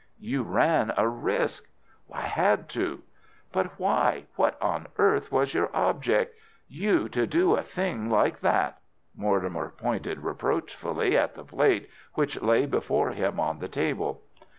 "You ran a risk." "I had to." "But why? What on earth was your object—you to do a thing like that?" Mortimer pointed reproachfully at the plate which lay before him on the table.